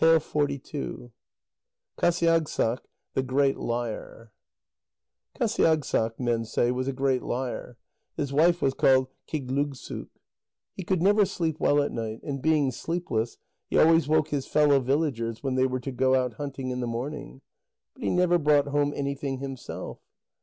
QASIAGSSAQ, THE GREAT LIAR Qasiagssaq, men say, was a great liar. His wife was called Qigdlugsuk. He could never sleep well at night, and being sleepless, he always woke his fellow villagers when they were to go out hunting in the morning. But he never brought home anything himself.